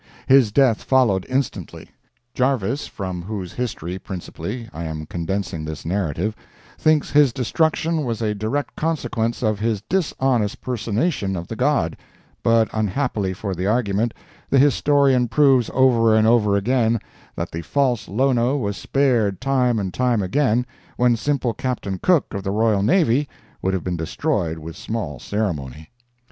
His death followed instantly. Jarves, from whose history, principally, I am condensing this narrative, thinks his destruction was a direct consequence of his dishonest personation of the god; but unhappily for the argument, the historian proves over and over again that the false Lono was spared time and time again when simple Captain Cook of the Royal Navy would have been destroyed with small ceremony.